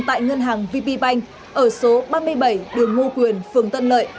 tại ngân hàng vp banh ở số ba mươi bảy đường ngu quyền phường tân lợi